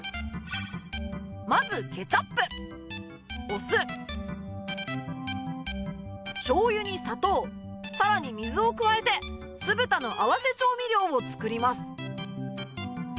まずケチャップお酢しょう油に砂糖更に水を加えて酢豚の合わせ調味料を作ります